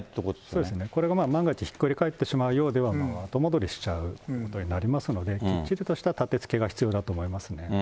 そうですね、これが万が一ひっくり返ってしまうようでは、後戻りしちゃうことになりますので、きっちりとしたたてつけが必要だと思いますね。